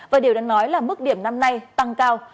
và điều đáng nói là mức điểm năm nay tăng cao